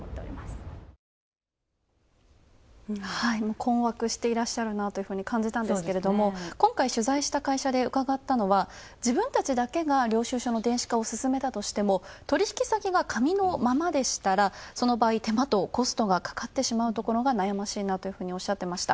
困惑していらっしゃるなというふうに感じたんですけれども、今回取材した会社で伺ったのは、自分たちだけが領収書の電子化を進めたとしても、取引先が紙のままでしたら、その場合手間とコストがかかってしまうところが悩ましいなというふうにおっしゃっていました。